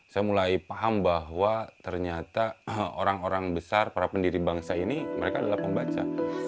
saya mulai paham bahwa ternyata orang orang besar para pendiri bangsa ini mereka adalah pembaca